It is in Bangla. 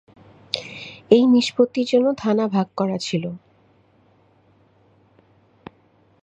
এই নিষ্পত্তির জন্য "থানা" ভাগ করা ছিল।